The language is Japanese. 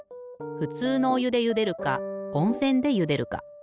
ふつうのおゆでゆでるかおんせんでゆでるか。